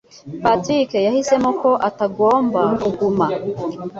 Patrick yahisemo ko atagomba kuguma.